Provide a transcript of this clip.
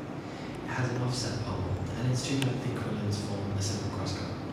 It has an offset pommel, and its two lengthy quillons form a simple crossguard.